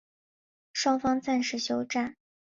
双方暂时休战。